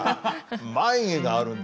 眉毛があるんだ。